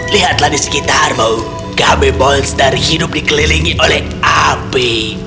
lihatlah di sekitarmu kami monster hidup dikelilingi oleh api